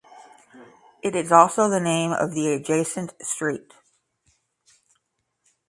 It is also the name of the adjacent street.